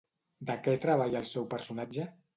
De què treballa el seu personatge?